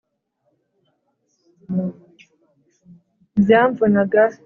byamvunaga mbirunda!